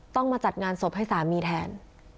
ต้องมาจัดงานศพให้สามีแทน